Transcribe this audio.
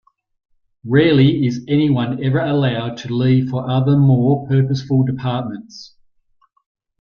Rarely is anyone ever allowed to leave for other more purposeful departments.